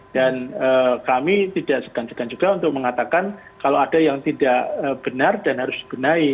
dan kami tidak segan segan juga untuk mengatakan kalau ada yang tidak benar dan harus digenai